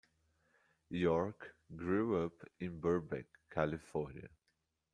York grew up in Burbank, California.